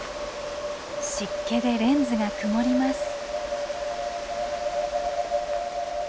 湿気でレンズが曇ります。